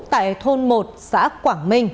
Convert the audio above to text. tại thôn một xã quảng minh